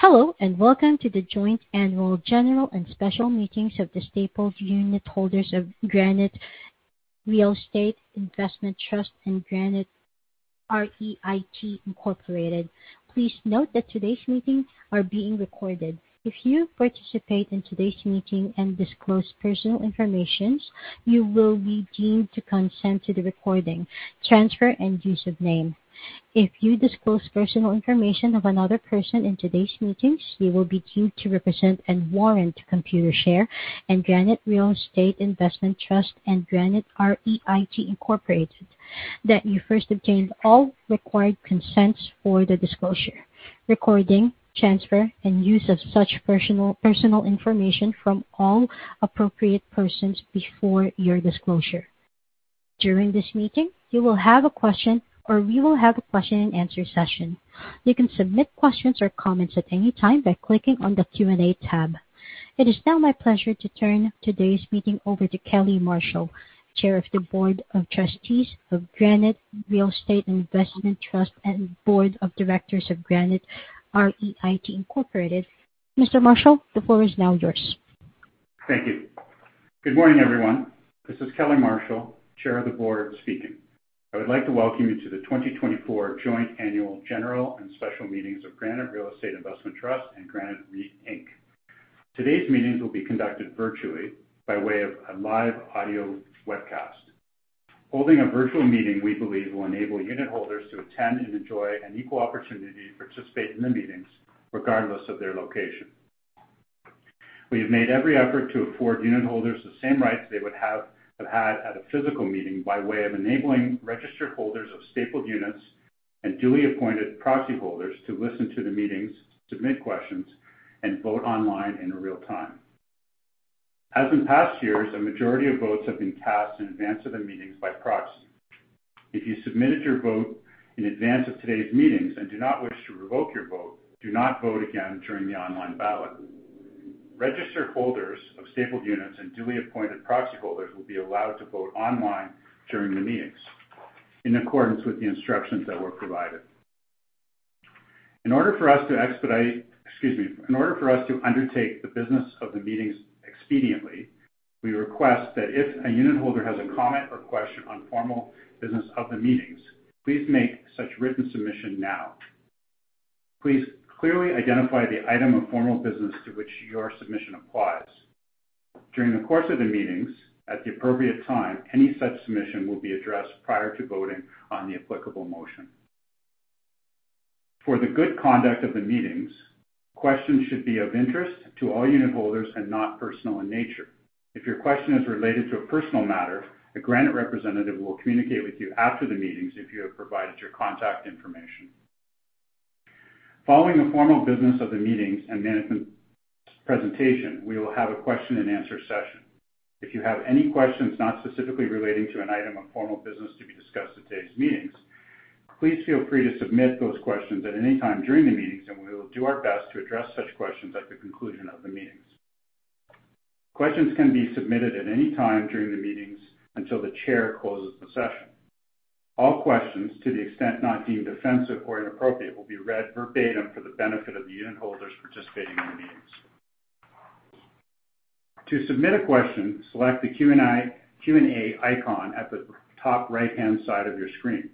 Hello, and welcome to the Joint Annual General and Special Meetings of the Stapled Unitholders of Granite Real Estate Investment Trust and Granite REIT Inc. Please note that today's meetings are being recorded. If you participate in today's meeting and disclose personal information, you will be deemed to consent to the recording, transfer, and use of name. If you disclose personal information of another person in today's meetings, you will be deemed to represent and warrant to Computershare and Granite Real Estate Investment Trust and Granite REIT Inc. that you first obtained all required consents for the disclosure, recording, transfer, and use of such personal information from all appropriate persons before your disclosure. During this meeting, you will have a question, or we will have a question and answer session. You can submit questions or comments at any time by clicking on the Q&A tab. It is now my pleasure to turn today's meeting over to Kelly Marshall, Chair of the Board of Trustees of Granite Real Estate Investment Trust and Board of Directors of Granite REIT, Incorporated. Mr. Marshall, the floor is now yours. Thank you. Good morning, everyone. This is Kelly Marshall, Chair of the Board, speaking. I would like to welcome you to the 2024 Joint Annual General and Special Meetings of Granite Real Estate Investment Trust and Granite REIT Inc. Today's meetings will be conducted virtually by way of a live audio webcast. Holding a virtual meeting, we believe, will enable unitholders to attend and enjoy an equal opportunity to participate in the meetings, regardless of their location. We have made every effort to afford unitholders the same rights they would have had at a physical meeting by way of enabling registered holders of stapled units and duly appointed proxy holders to listen to the meetings, submit questions, and vote online in real time. As in past years, a majority of votes have been cast in advance of the meetings by proxy. If you submitted your vote in advance of today's meetings and do not wish to revoke your vote, do not vote again during the online ballot. Registered holders of stapled units and duly appointed proxy holders will be allowed to vote online during the meetings in accordance with the instructions that were provided. In order for us to undertake the business of the meetings expediently, we request that if a unitholder has a comment or question on formal business of the meetings, please make such written submission now. Please clearly identify the item of formal business to which your submission applies. During the course of the meetings, at the appropriate time, any such submission will be addressed prior to voting on the applicable motion. For the good conduct of the meetings, questions should be of interest to all unitholders and not personal in nature. If your question is related to a personal matter, a Granite representative will communicate with you after the meetings if you have provided your contact information. Following the formal business of the meetings and presentation, we will have a question and answer session. If you have any questions not specifically relating to an item of formal business to be discussed at today's meetings, please feel free to submit those questions at any time during the meetings, and we will do our best to address such questions at the conclusion of the meetings. Questions can be submitted at any time during the meetings until the chair closes the session. All questions, to the extent not deemed offensive or inappropriate, will be read verbatim for the benefit of the unitholders participating in the meetings. To submit a question, select the Q&A icon at the top right-hand side of your screen.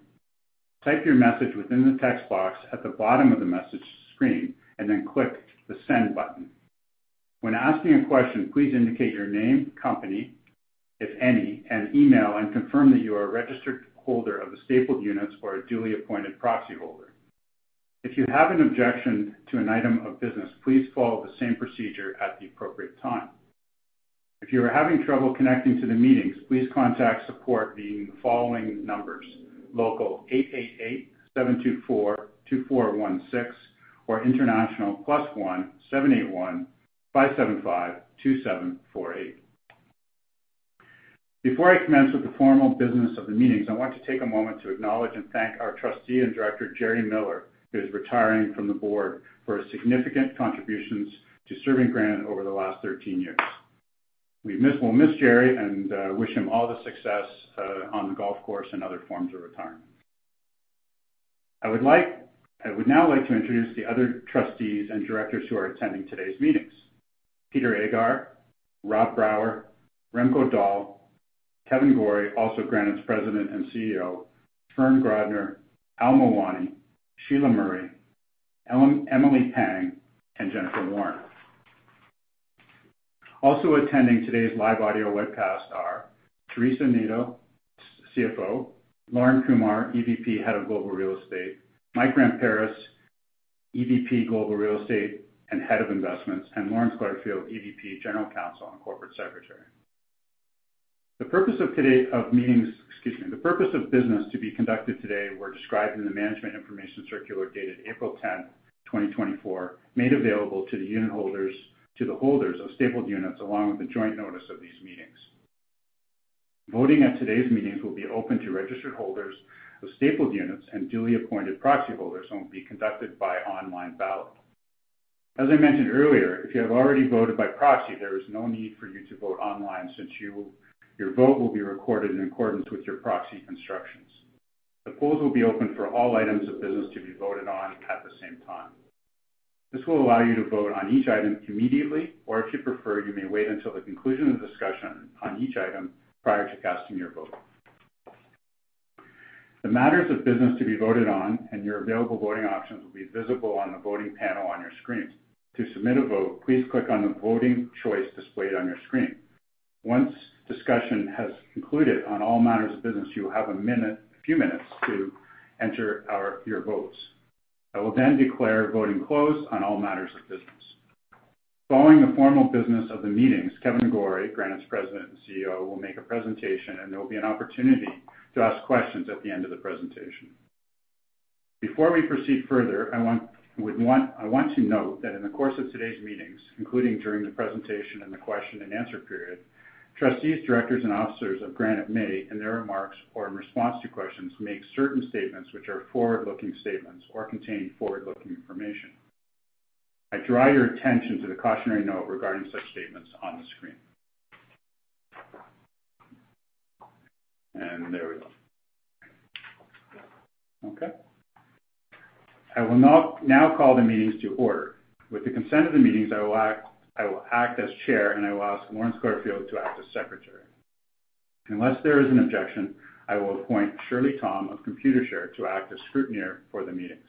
Type your message within the text box at the bottom of the message screen, and then click the Send button. When asking a question, please indicate your name, company, if any, and email, and confirm that you are a registered holder of the stapled units or a duly appointed proxy holder. If you have an objection to an item of business, please follow the same procedure at the appropriate time. If you are having trouble connecting to the meetings, please contact support via the following numbers: local, 888-724-2416, or international, +1-781-575-2748. Before I commence with the formal business of the meetings, I want to take a moment to acknowledge and thank our trustee and director, Gerry Miller, who is retiring from the board, for his significant contributions to serving Granite over the last 13 years. We miss—we'll miss Gerry and wish him all the success on the golf course and other forms of retirement. I would like—I would now like to introduce the other trustees and directors who are attending today's meetings. Peter Agar, Rob Brower, Remco Daal, Kevan Gorrie, also Granite's President and CEO, Fernand Perreault, Al Mawani, Sheila Murray, Emily Pang, and Jennifer Warren. Also attending today's live audio webcast are Teresa Neto, CFO, Lorne Kumer, EVP, Head of Global Real Estate, Mike Ramparas, EVP, Global Real Estate and Head of Investments, and Lawrence Clarfield, EVP, General Counsel, and Corporate Secretary. The purpose of today's meetings, excuse me, the purpose of business to be conducted today were described in the Management Information Circular dated 10 April 2024, made available to the unitholders to the holders of stapled units, along with the joint notice of these meetings. Voting at today's meetings will be open to registered holders of stapled units and duly appointed proxy holders and will be conducted by online ballot. As I mentioned earlier, if you have already voted by proxy, there is no need for you to vote online since your vote will be recorded in accordance with your proxy instructions. The polls will be open for all items of business to be voted on at the same time. This will allow you to vote on each item immediately, or if you prefer, you may wait until the conclusion of the discussion on each item prior to casting your vote. The matters of business to be voted on and your available voting options will be visible on the voting panel on your screen. To submit a vote, please click on the voting choice displayed on your screen. Once discussion has concluded on all matters of business, you will have a few minutes to enter your votes. I will then declare voting closed on all matters of business. Following the formal business of the meetings, Kevan Gorrie, Granite's President and CEO, will make a presentation, and there will be an opportunity to ask questions at the end of the presentation. Before we proceed further, I want to note that in the course of today's meetings, including during the presentation and the question and answer period, trustees, directors, and officers of Granite may, in their remarks or in response to questions, make certain statements which are forward-looking statements or contain forward-looking information. I draw your attention to the cautionary note regarding such statements on the screen. And there we go. Okay. I will now call the meetings to order. With the consent of the meetings, I will act as chair, and I will ask Lawrence Clarfield to act as secretary. Unless there is an objection, I will appoint Shirley Tom of Computershare to act as scrutineer for the meetings.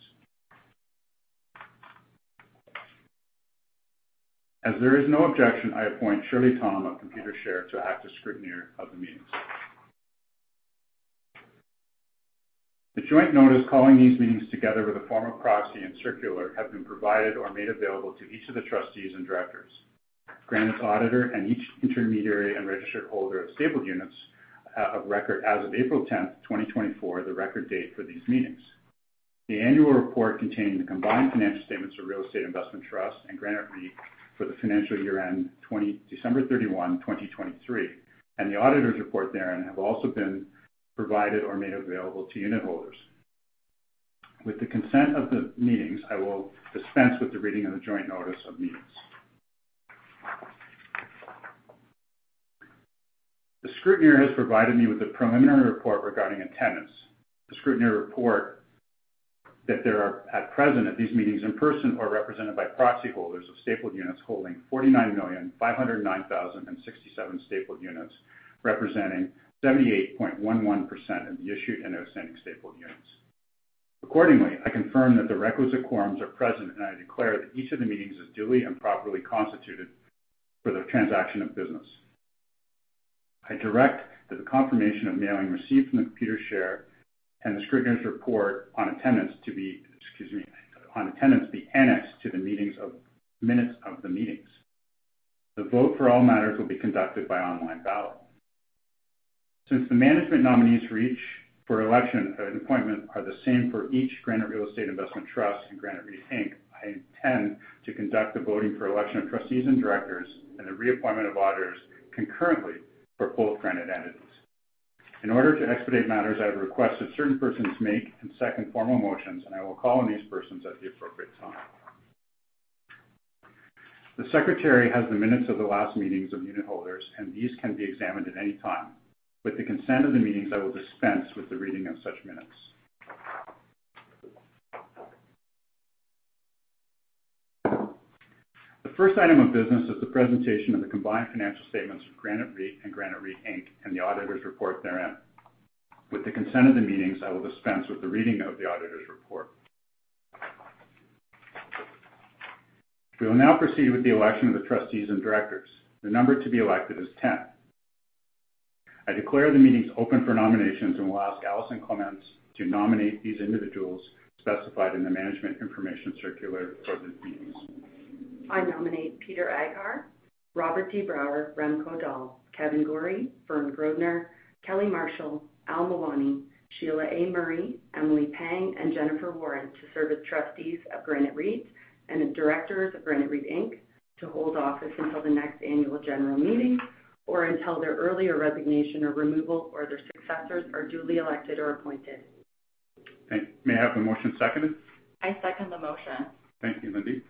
As there is no objection, I appoint Shirley Tom of Computershare to act as scrutineer of the meetings. The joint notice calling these meetings together with a form of proxy and circular have been provided or made available to each of the trustees and directors, Granite's auditor, and each intermediary and registered holder of stapled units of record as of 10 April 2024, the record date for these meetings. The annual report containing the combined financial statements of Granite Real Estate Investment Trust and Granite REIT for the financial year ended 31 December 2023, and the auditor's report therein, have also been provided or made available to unitholders. With the consent of the meetings, I will dispense with the reading of the joint notice of meetings. The scrutineer has provided me with a preliminary report regarding attendance. The scrutineer report that there are at present at these meetings in person or represented by proxy holders of stapled units holding 49,509,067 stapled units, representing 78.11% of the issued and outstanding stapled units. Accordingly, I confirm that the requisite quorums are present, and I declare that each of the meetings is duly and properly constituted for the transaction of business. I direct that the confirmation of mailing received from the Computershare and the scrutineer's report on attendance to be, excuse me, on attendance, be annexed to the meetings of-- minutes of the meetings. The vote for all matters will be conducted by online ballot. Since the management nominees for each for election, appointment are the same for each Granite Real Estate Investment Trust and Granite REIT Inc., I intend to conduct the voting for election of trustees and directors and the reappointment of auditors concurrently for both Granite entities. In order to expedite matters, I would request that certain persons make and second formal motions, and I will call on these persons at the appropriate time. The secretary has the minutes of the last meetings of unitholders, and these can be examined at any time. With the consent of the meetings, I will dispense with the reading of such minutes. The first item of business is the presentation of the combined financial statements of Granite REIT and Granite REIT Inc., and the auditor's report therein. With the consent of the meetings, I will dispense with the reading of the auditor's report. We will now proceed with the election of the trustees and directors. The number to be elected is 10. I declare the meetings open for nominations and will ask Allison Clements to nominate these individuals specified in the Management Information Circular for the meetings. I nominate Peter Agar, Robert T. Brower, Remco Daal, Kevan Gorrie, Vern Greener, Kelly Marshall, Al Mawani, Sheila Murray, Emily Pang, and Jennifer Warren to serve as trustees of Granite REIT and the directors of Granite REIT Inc. to hold office until the next annual general meeting or until their earlier resignation or removal or their successors are duly elected or appointed. Thank you. May I have the motion seconded? I second the motion. Thank you, Lindy.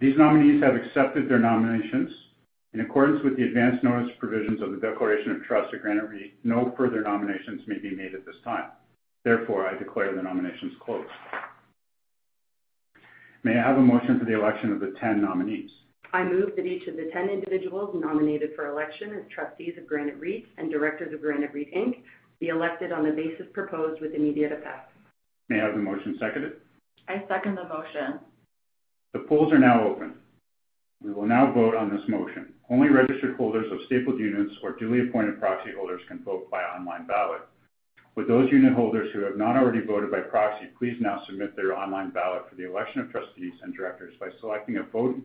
These nominees have accepted their nominations. In accordance with the advance notice provisions of the Declaration of Trust of Granite REIT, no further nominations may be made at this time. Therefore, I declare the nominations closed. May I have a motion for the election of the 10 nominees? I move that each of the 10 individuals nominated for election as trustees of Granite REIT and directors of Granite REIT Inc. be elected on the basis proposed with immediate effect. May I have the motion seconded? I second the motion. The polls are now open. We will now vote on this motion. Only registered holders of stapled units or duly appointed proxy holders can vote by online ballot. With those unitholders who have not already voted by proxy, please now submit their online ballot for the election of trustees and directors by selecting a vote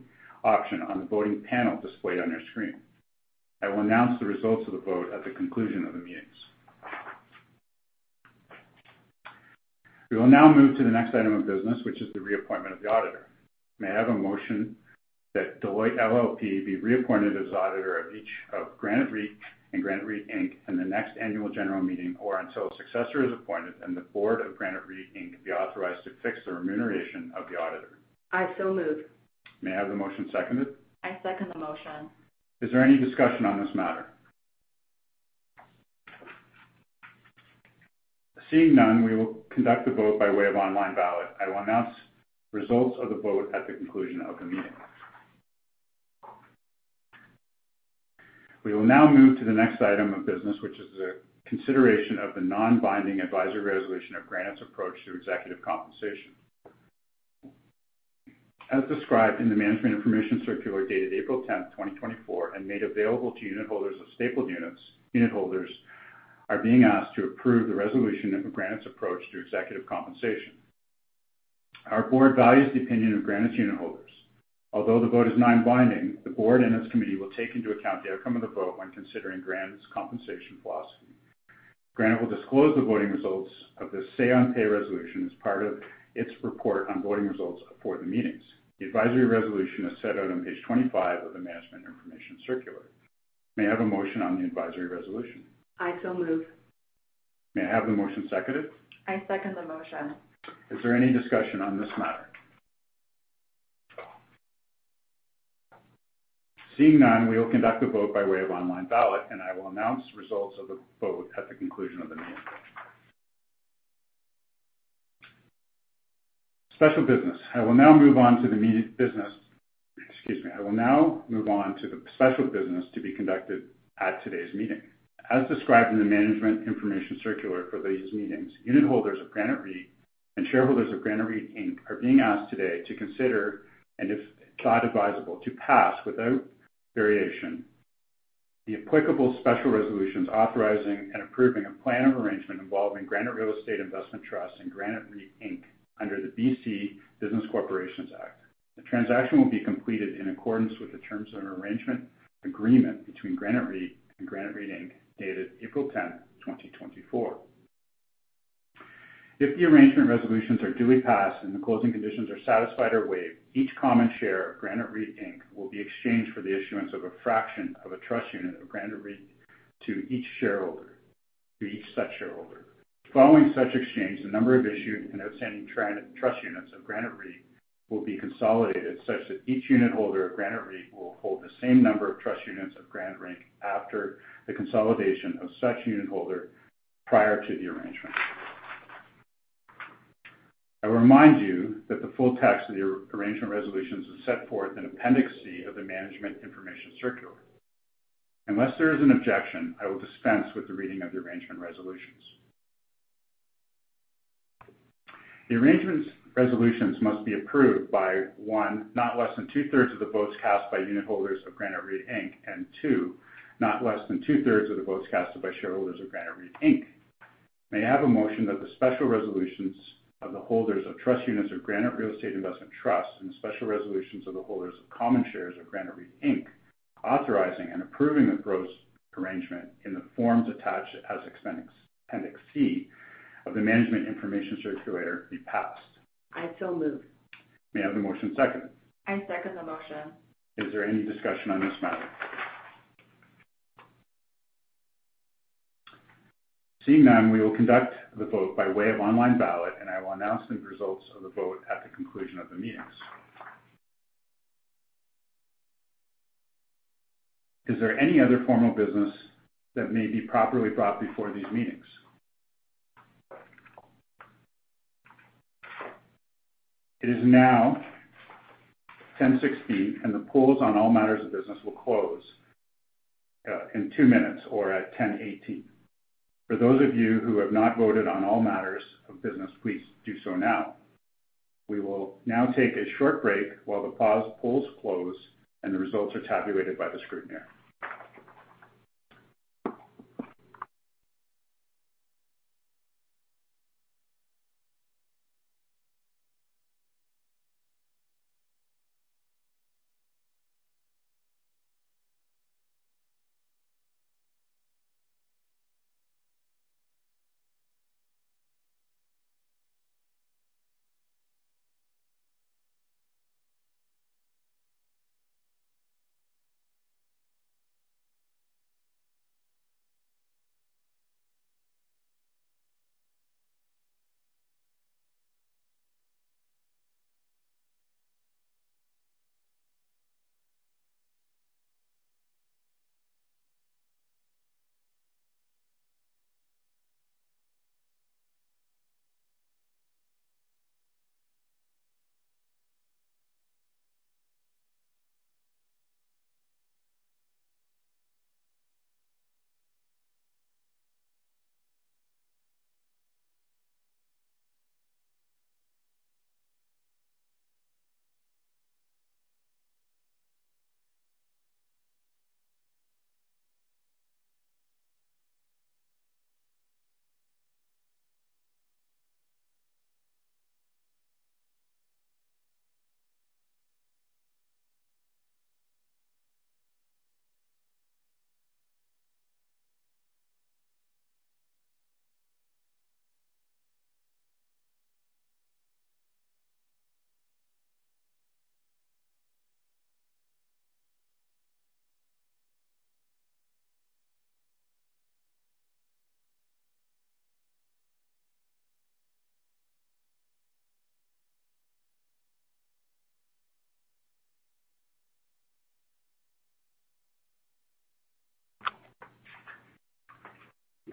option on the voting panel displayed on your screen. I will announce the results of the vote at the conclusion of the meetings. We will now move to the next item of business, which is the reappointment of the auditor. May I have a motion that Deloitte LLP be reappointed as auditor of each of Granite REIT and Granite REIT Inc., in the next annual general meeting, or until a successor is appointed and the board of Granite REIT Inc., be authorized to fix the remuneration of the auditor? I so move.... May I have the motion seconded? I second the motion. Is there any discussion on this matter? Seeing none, we will conduct the vote by way of online ballot. I will announce results of the vote at the conclusion of the meeting. We will now move to the next item of business, which is the consideration of the non-binding advisory resolution of Granite's approach to executive compensation. As described in the Management Information Circular, dated 10 April 2024, and made available to unitholders of stapled units, unitholders are being asked to approve the resolution of Granite's approach to executive compensation. Our board values the opinion of Granite's unitholders. Although the vote is non-binding, the board and its committee will take into account the outcome of the vote when considering Granite's compensation philosophy. Granite will disclose the voting results of the Say on Pay resolution as part of its report on voting results for the meetings. The advisory resolution is set out on page 25 of the Management Information Circular. May I have a motion on the advisory resolution? I so move. May I have the motion seconded? I second the motion. Is there any discussion on this matter? Seeing none, we will conduct the vote by way of online ballot, and I will announce results of the vote at the conclusion of the meeting. Special business. I will now move on to the meeting business. Excuse me. I will now move on to the special business to be conducted at today's meeting. As described in the Management Information Circular for these meetings, unitholders of Granite REIT and shareholders of Granite REIT Inc. are being asked today to consider, and if thought advisable, to pass, without variation, the applicable special resolutions authorizing and approving a plan of arrangement involving Granite Real Estate Investment Trust and Granite REIT Inc. under the BC Business Corporations Act. The transaction will be completed in accordance with the terms of an arrangement agreement between Granite REIT and Granite REIT Inc., dated 10 April 2024. If the arrangement resolutions are duly passed and the closing conditions are satisfied or waived, each common share of Granite REIT Inc. will be exchanged for the issuance of a fraction of a trust unit of Granite REIT to each shareholder, to each such shareholder. Following such exchange, the number of issued and outstanding trust units of Granite REIT will be consolidated such that each unitholder of Granite REIT will hold the same number of trust units of Granite REIT after the consolidation of such unitholder prior to the arrangement. I will remind you that the full text of the arrangement resolutions is set forth in Appendix C of the Management Information Circular. Unless there is an objection, I will dispense with the reading of the arrangement resolutions. The arrangements resolutions must be approved by, one, not less than 2/3 of the votes cast by unitholders of Granite REIT Inc., and two, not less than 2/3 of the votes cast by shareholders of Granite REIT Inc. May I have a motion that the special resolutions of the holders of trust units of Granite Real Estate Investment Trust and special resolutions of the holders of common shares of Granite REIT Inc, authorizing and approving the proposed arrangement in the forms attached as Appendix C of the Management Information Circular, be passed. I so move. May I have the motion seconded? I second the motion. Is there any discussion on this matter? Seeing none, we will conduct the vote by way of online ballot, and I will announce the results of the vote at the conclusion of the meetings. Is there any other formal business that may be properly brought before these meetings? It is now 10:06AM, and the polls on all matters of business will close in two minutes or at 10:18AM For those of you who have not voted on all matters of business, please do so now. We will now take a short break while the polls close and the results are tabulated by the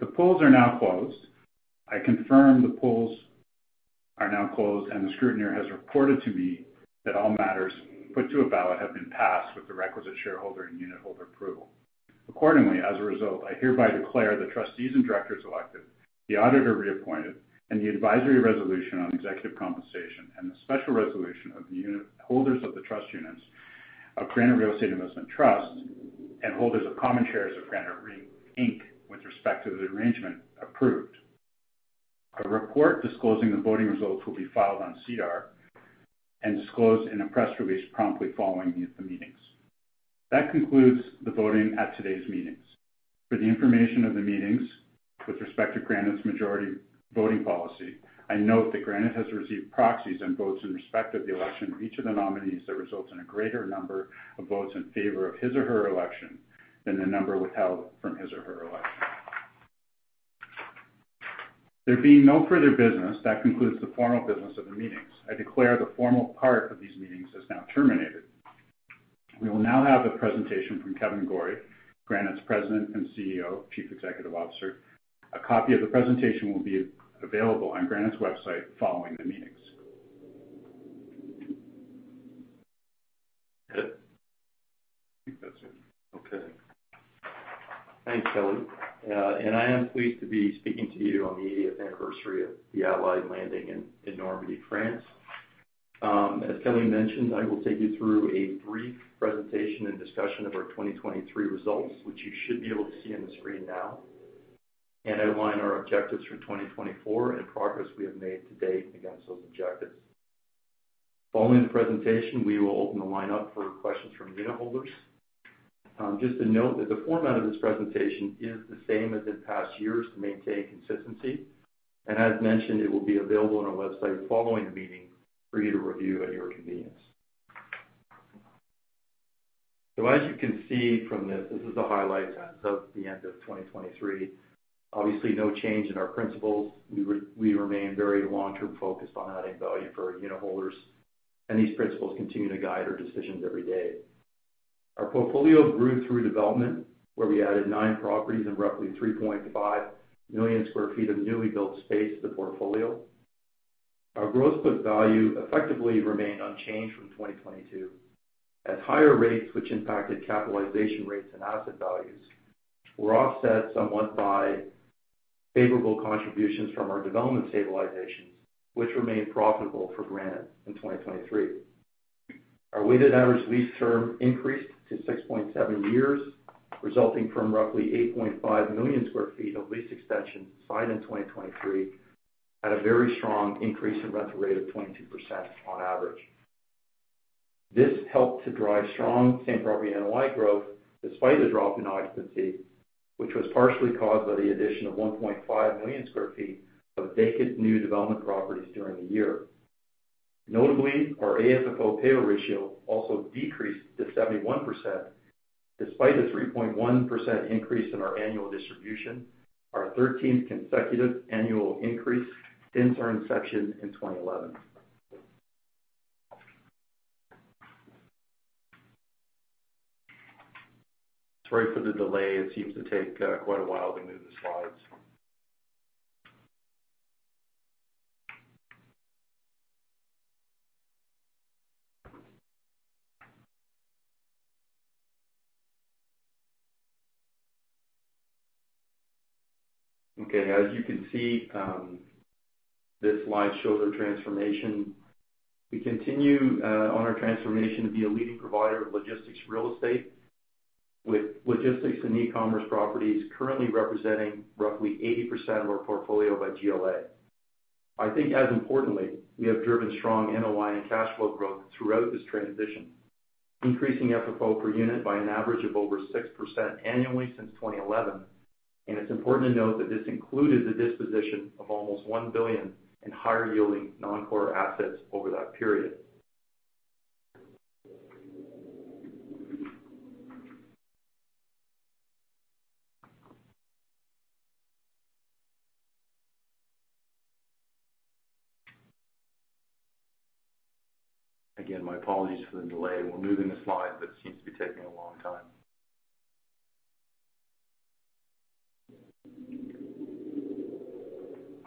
scrutineer.... The polls are now closed. I confirm the polls are now closed, and the scrutineer has reported to me that all matters put to a ballot have been passed with the requisite shareholder and unitholder approval. Accordingly, as a result, I hereby declare the trustees and directors elected, the auditor reappointed, and the advisory resolution on executive compensation, and the special resolution of the unitholders of the trust units of Granite Real Estate Investment Trust, and holders of common shares of Granite REIT Inc., with respect to the arrangement approved. A report disclosing the voting results will be filed on SEDAR and disclosed in a press release promptly following the meetings. That concludes the voting at today's meetings. For the information of the meetings with respect to Granite's majority voting policy, I note that Granite has received proxies and votes in respect of the election of each of the nominees that results in a greater number of votes in favor of his or her election than the number withheld from his or her election. There being no further business, that concludes the formal business of the meetings. I declare the formal part of these meetings is now terminated. We will now have a presentation from Kevan Gorrie, Granite's President and CEO, Chief Executive Officer. A copy of the presentation will be available on Granite's website following the meetings. I think that's it. Okay. Thanks, Kelly. I am pleased to be speaking to you on the eightieth anniversary of the Allied landing in Normandy, France. As Kelly mentioned, I will take you through a brief presentation and discussion of our 2023 results, which you should be able to see on the screen now, and outline our objectives for 2024 and progress we have made to date against those objectives. Following the presentation, we will open the line up for questions from unitholders. Just to note that the format of this presentation is the same as in past years to maintain consistency, and as mentioned, it will be available on our website following the meeting for you to review at your convenience. As you can see from this, this is the highlights as of the end of 2023. Obviously, no change in our principles. We remain very long-term focused on adding value for our unitholders, and these principles continue to guide our decisions every day. Our portfolio grew through development, where we added 9 properties and roughly 3.5 million sq ft of newly built space to the portfolio. Our growth book value effectively remained unchanged from 2022, as higher rates, which impacted capitalization rates and asset values, were offset somewhat by favorable contributions from our development stabilizations, which remained profitable for Granite in 2023. Our weighted average lease term increased to 6.7 years, resulting from roughly 8.5 million sq ft of lease extension signed in 2023, at a very strong increase in rent rate of 22% on average. This helped to drive strong same-property NOI growth, despite a drop in occupancy, which was partially caused by the addition of 1.5 million sq ft of vacant new development properties during the year. Notably, our AFFO payout ratio also decreased to 71%, despite a 3.1% increase in our annual distribution, our 13th consecutive annual increase since our inception in 2011. Sorry for the delay. It seems to take quite a while to move the slides. Okay, as you can see, this slide shows our transformation. We continue on our transformation to be a leading provider of logistics real estate, with logistics and e-commerce properties currently representing roughly 80% of our portfolio by GLA. I think as importantly, we have driven strong NOI and cash flow growth throughout this transition, increasing FFO per unit by an average of over 6% annually since 2011. And it's important to note that this included the disposition of almost 1 billion in higher-yielding, non-core assets over that period. Again, my apologies for the delay. We're moving the slide, but it seems to be taking a long time.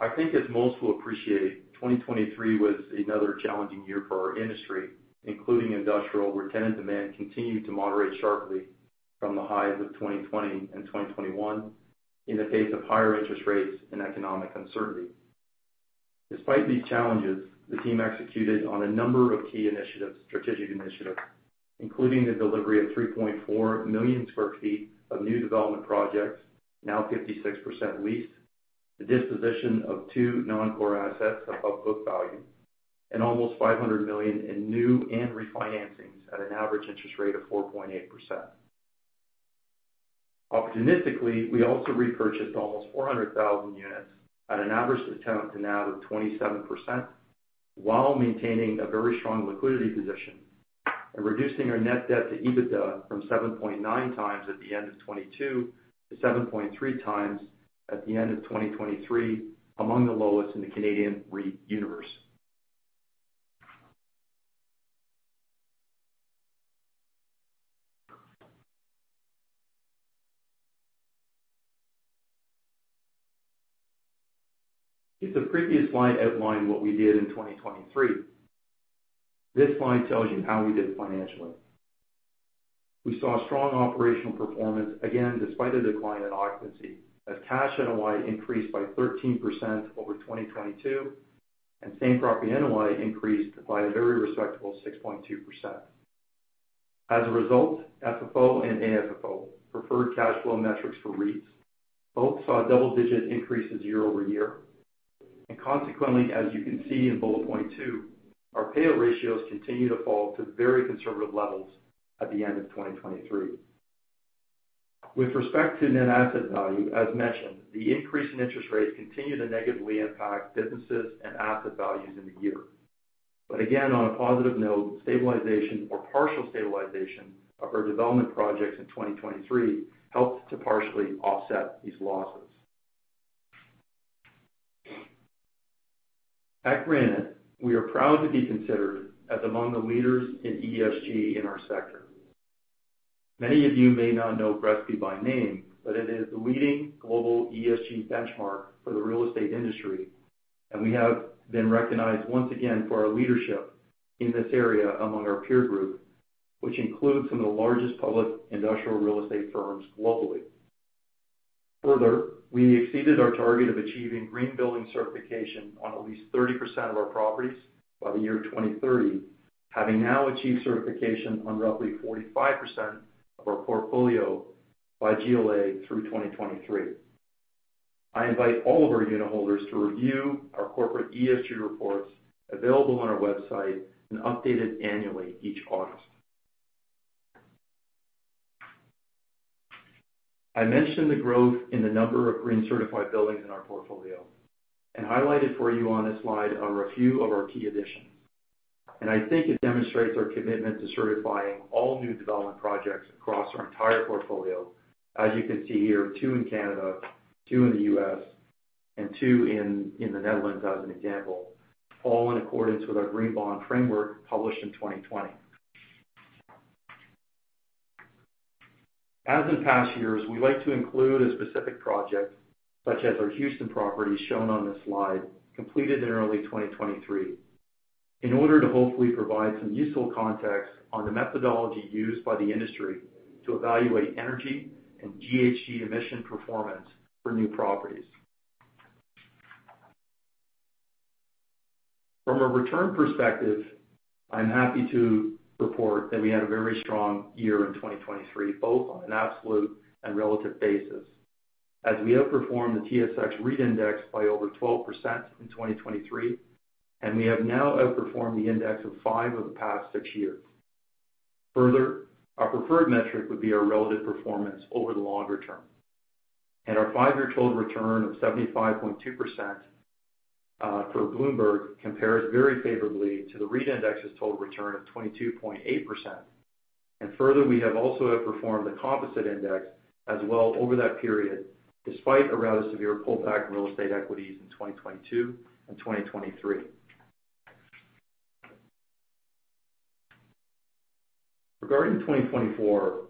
I think as most will appreciate, 2023 was another challenging year for our industry, including industrial, where tenant demand continued to moderate sharply from the highs of 2020 and 2021 in the face of higher interest rates and economic uncertainty. Despite these challenges, the team executed on a number of key initiatives, strategic initiatives, including the delivery of 3.4 million sq ft of new development projects, now 56% leased, the disposition of 2 non-core assets above book value, and almost 500 million in new and refinancings at an average interest rate of 4.8%. Opportunistically, we also repurchased almost 400,000 units at an average discount to NAV of 27%, while maintaining a very strong liquidity position... and reducing our net debt to EBITDA from 7.9x at the end of 2022 to 7.3x at the end of 2023, among the lowest in the Canadian REIT universe. If the previous slide outlined what we did in 2023, this slide tells you how we did financially. We saw strong operational performance, again, despite a decline in occupancy, as cash NOI increased by 13% over 2022, and same property NOI increased by a very respectable 6.2%. As a result, FFO and AFFO, preferred cash flow metrics for REITs, both saw double-digit increases year-over-year. Consequently, as you can see in bullet point two, our payout ratios continue to fall to very conservative levels at the end of 2023. With respect to net asset value, as mentioned, the increase in interest rates continued to negatively impact businesses and asset values in the year. Again, on a positive note, stabilization or partial stabilization of our development projects in 2023 helped to partially offset these losses. At Granite, we are proud to be considered as among the leaders in ESG in our sector. Many of you may not know GRESB by name, but it is the leading global ESG benchmark for the real estate industry, and we have been recognized once again for our leadership in this area among our peer group, which includes some of the largest public industrial real estate firms globally. Further, we exceeded our target of achieving green building certification on at least 30% of our properties by the year 2030, having now achieved certification on roughly 45% of our portfolio by GLA through 2023. I invite all of our unitholders to review our corporate ESG reports available on our website and updated annually each August. I mentioned the growth in the number of green-certified buildings in our portfolio, and highlighted for you on this slide are a few of our key additions. And I think it demonstrates our commitment to certifying all new development projects across our entire portfolio. As you can see here, two in Canada, two in the U.S., and two in the Netherlands, as an example, all in accordance with our Green Bond Framework, published in 2020. As in past years, we like to include a specific project, such as our Houston property shown on this slide, completed in early 2023, in order to hopefully provide some useful context on the methodology used by the industry to evaluate energy and GHG emission performance for new properties. From a return perspective, I'm happy to report that we had a very strong year in 2023, both on an absolute and relative basis, as we outperformed the TSX REIT Index by over 12% in 2023, and we have now outperformed the index in five of the past 6 years. Further, our preferred metric would be our relative performance over the longer term, and our 5-year total return of 75.2%, per Bloomberg, compares very favorably to the REIT index's total return of 22.8%. Further, we have also outperformed the composite index as well over that period, despite a rather severe pullback in real estate equities in 2022 and 2023. Regarding 2024,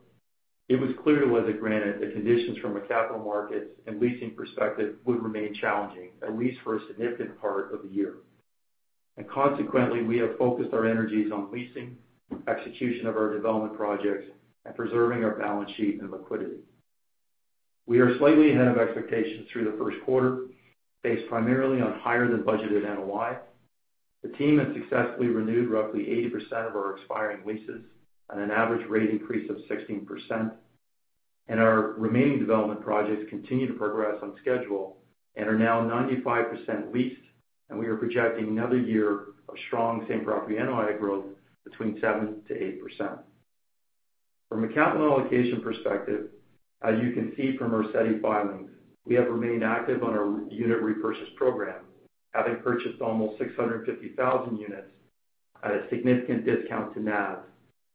it was clear to us at Granite that conditions from a capital markets and leasing perspective would remain challenging, at least for a significant part of the year. And consequently, we have focused our energies on leasing, execution of our development projects, and preserving our balance sheet and liquidity. We are slightly ahead of expectations through the first quarter, based primarily on higher than budgeted NOI. The team has successfully renewed roughly 80% of our expiring leases at an average rate increase of 16%, and our remaining development projects continue to progress on schedule and are now 95% leased. And we are projecting another year of strong same-property NOI growth between 7% to 8%. From a capital allocation perspective, as you can see from our SEDAR filings, we have remained active on our unit repurchase program, having purchased almost 650,000 units at a significant discount to NAV,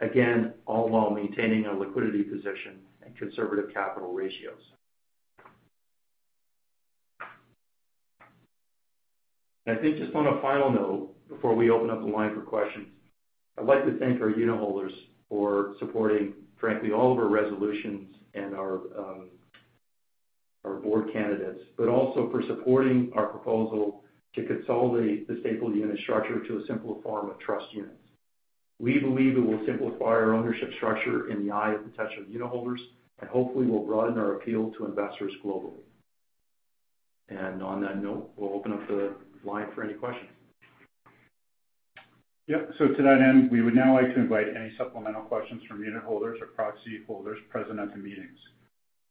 again, all while maintaining a liquidity position and conservative capital ratios. I think just on a final note, before we open up the line for questions, I'd like to thank our unitholders for supporting, frankly, all of our resolutions and our, our board candidates, but also for supporting our proposal to consolidate the stapled unit structure to a simpler form of trust units. We believe it will simplify our ownership structure in the eye of potential unitholders and hopefully will broaden our appeal to investors globally. And on that note, we'll open up the line for any questions. Yep, so to that end, we would now like to invite any supplemental questions from unitholders or proxy holders present at the meetings.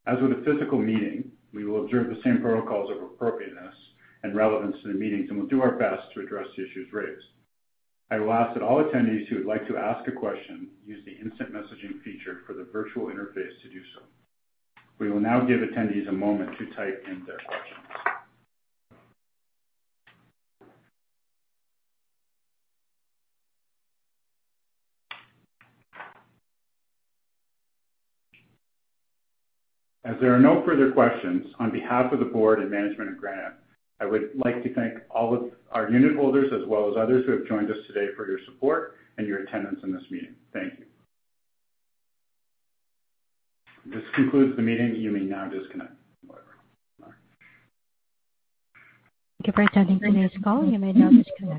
As with the physical meeting, we will observe the same protocols of appropriateness and relevance to the meetings, and we'll do our best to address the issues raised. I will ask that all attendees who would like to ask a question, use the instant messaging feature for the virtual interface to do so. We will now give attendees a moment to type in their questions. As there are no further questions, on behalf of the board and management of Granite, I would like to thank all of our unitholders, as well as others who have joined us today, for your support and your attendance in this meeting. Thank you. This concludes the meeting. You may now disconnect. Thank you for attending today's call. You may now disconnect.